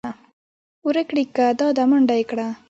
وېړکيه دا ده منډه يې کړه .